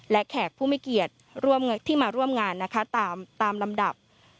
และแขกผู้ไม่เกียรติที่มาร่วมงานนะคะตามลำดับ